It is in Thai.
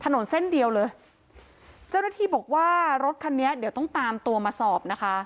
ถนนเส้นเดียวเลยเจ้าหน้าที่บอกว่ารถคันนี้เดี๋ยวต้องตามตัวมาสอบนะคะ